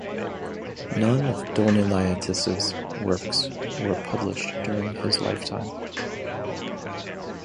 None of Donelaitis' works were published during his lifetime.